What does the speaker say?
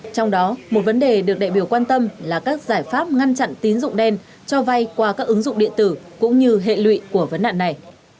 trong đó một vấn đề được đại biểu quan tâm là các giải pháp ngăn chặn tín dụng đen cho vay qua các ứng dụng điện tử cũng như hệ lụy của vấn nạn này